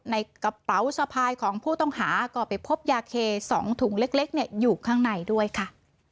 ในกระเป๋าสะพายของผู้ต้องหาก็ไปพบยาเค๒ถุงเล็กอยู่ข้างในด้วยค่ะ